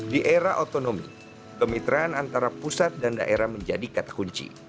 di era otonomi kemitraan antara pusat dan daerah menjadi kata kunci